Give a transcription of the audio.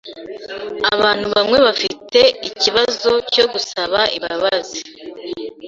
Abantu bamwe bafite ikibazo cyo gusaba imbabazi.